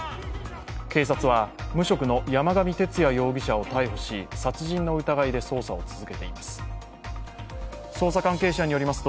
警察は無職の山上徹也容疑者を逮捕し、殺人の疑いで捜査を続けています。